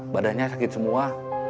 badannya sakit semua